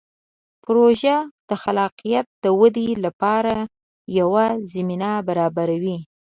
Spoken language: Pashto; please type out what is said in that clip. پروژه د خلاقیت د ودې لپاره یوه زمینه برابروي.